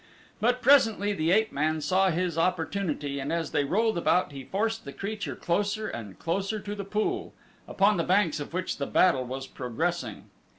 But presently the ape man saw his opportunity and as they rolled about he forced the creature closer and closer to the pool, upon the banks of which the battle was progressing.